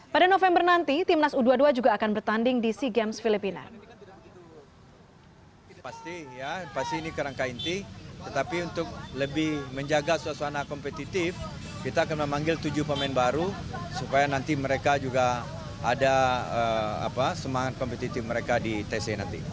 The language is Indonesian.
pada november nanti timnas u dua puluh dua juga akan bertanding di sea games filipina